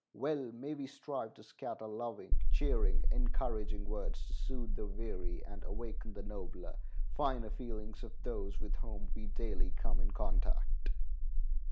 Well may we strive to scatter loving, cheering, encouraging words, to soothe the weary, and awaken the nobler, finer feelings of those with whom we daily come in contact.